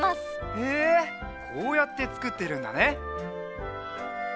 へえこうやってつくってるんだね。